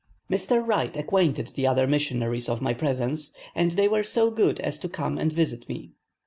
Mr. Wright acquainted the other missionaries of my presence, and they were so good as to come and visit me.